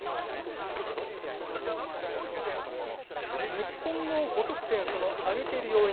日本の５得点挙げている要因